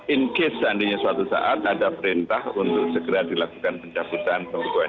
in case seandainya suatu saat ada perintah untuk segera dilakukan pencabutan pembekuan